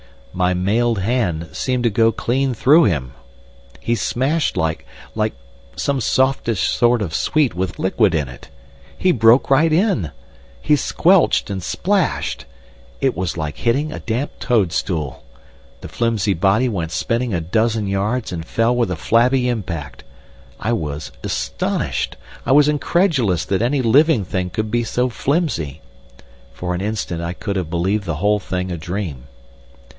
My mailed hand seemed to go clean through him. He smashed like—like some softish sort of sweet with liquid in it! He broke right in! He squelched and splashed. It was like hitting a damp toadstool. The flimsy body went spinning a dozen yards, and fell with a flabby impact. I was astonished. I was incredulous that any living thing could be so flimsy. For an instant I could have believed the whole thing a dream.